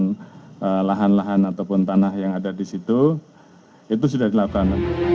mungkin telah menggunakan lahan lahan ataupun tanah yang ada di situ itu sudah dilakukan